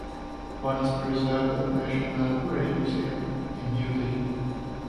One is preserved at National Rail Museum in New Delhi.